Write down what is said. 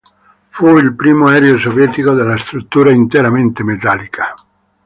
Fu il primo aereo sovietico dalla struttura interamente metallica.